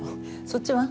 そっちは？